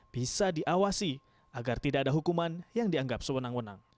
bisa diawasi agar tidak ada hukuman yang dianggap sewenang wenang